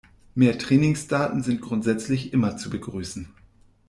Mehr Trainingsdaten sind grundsätzlich immer zu begrüßen.